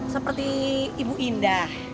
seperti ibu indah